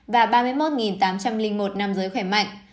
và ba mươi một tám trăm linh một nam giới khỏe mạnh